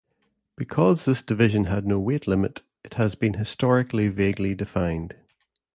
Because this division had no weight limit, it has been historically vaguely defined.